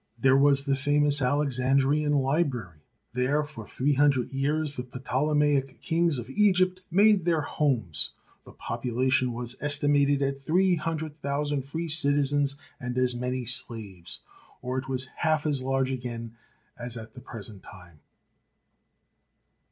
There was the famous Alexandrian library. There for three hundred years the Ptolemaic kings of Egypt made their homes. The population was estimated at three hundred thou sand free citizens and as many slaves, or it was half as large again as at the present time.